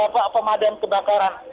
pak pemadam kebakaran